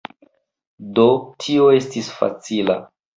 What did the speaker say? Do tio estis facila.